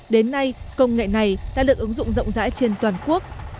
đến nay công nghệ này đã được ứng dụng rộng rãi trên toàn quốc